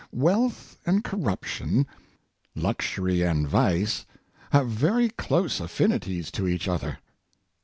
Wealth and corruption, luxury and vice, have very close affinities to each other.